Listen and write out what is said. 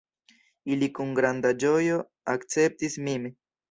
Ili kun granda ĝojo akceptis min.